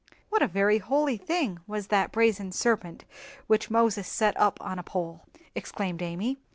"What a very holy thing was that brazen serpent which Moses set up on a pole!" exclaimed Amy.